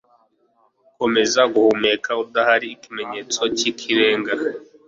Komeza guhumeka udahari ikimenyetso cyikirenga